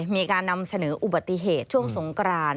มีการนำเสนออุบัติเหตุช่วงสงกราน